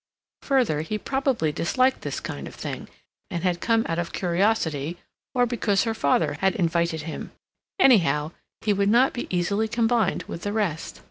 Further, he probably disliked this kind of thing, and had come out of curiosity, or because her father had invited him—anyhow, he would not be easily combined with the rest.